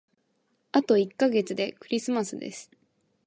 あと一ヶ月でクリスマスです。